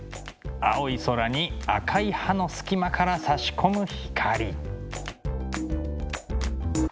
青い空に赤い葉の隙間からさし込む光。